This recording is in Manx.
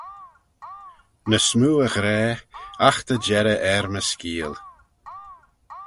Ny smoo y ghra, agh ta jerrey er my skeeal.